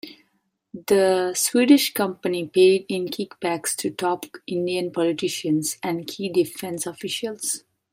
The Swedish company paid in kickbacks to top Indian politicians and key defence officials.